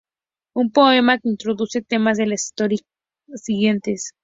Un poema que introduce temas de las historias siguientes.